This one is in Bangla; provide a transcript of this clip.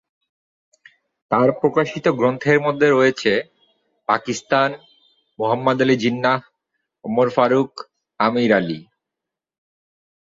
তাঁর প্রকাশিত গ্রন্থের মধ্যে রয়েছে "পাকিস্তান", "মুহাম্মদ আলি জিন্নাহ", "ওমর ফারুক", "আমির আলি"।